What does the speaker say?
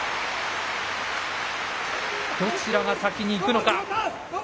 どちらが先にいくのか。